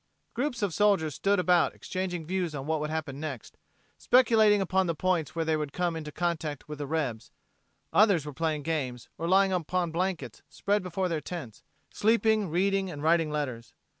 Groups of soldiers stood about exchanging views on what would happen next, speculating upon the points where they would come into contact with the rebs: others were playing games, or lying upon blankets spread before their tents, sleeping, reading and writing letters.